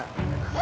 え？